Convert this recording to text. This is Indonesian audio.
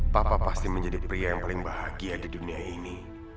papa pasti menjadi pria yang paling bahagia di dunia ini